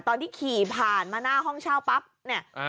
ตอนที่ขี่ผ่านมาหน้าห้องเช่าปั๊บเนี่ย